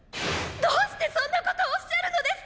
どうしてそんなことをおっしゃるのですか！